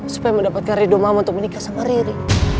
supaya mendapatkan rido mama untuk menikah sama riri